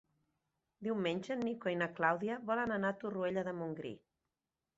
Diumenge en Nico i na Clàudia volen anar a Torroella de Montgrí.